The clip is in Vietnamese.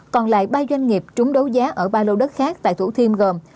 còn lại ba doanh nghiệp trúng đấu giá ở ba lô đất khác tại thủ thiêm gồm